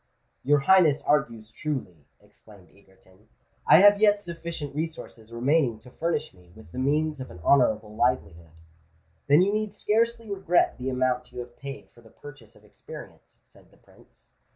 "Your Highness argues truly," exclaimed Egerton: "I have yet sufficient resources remaining to furnish me with the means of an honourable livelihood." "Then you need scarcely regret the amount you have paid for the purchase of experience," said the Prince.